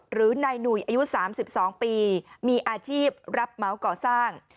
หรือนายหนุ่ยอายุ๓๒ปีมีอาชีพรับเหมาก่อสร้าง